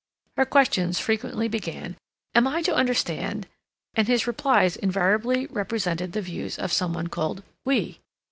Her questions frequently began, "Am I to understand—" and his replies invariably represented the views of some one called "we."